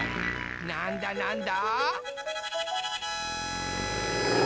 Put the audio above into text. なんだなんだ？